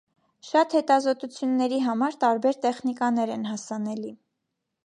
Շատ հետազոտությունների համար տարբեր տեխնիկաներ են հասանելի։